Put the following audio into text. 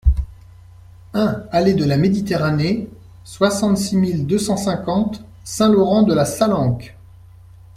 un allées de la Méditerranée, soixante-six mille deux cent cinquante Saint-Laurent-de-la-Salanque